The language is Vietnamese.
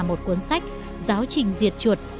một cuốn sách giáo trình diệt chuột